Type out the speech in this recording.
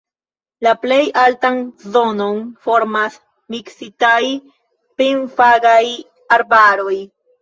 La plej altan zonon formas miksitaj pin-fagaj arbaroj.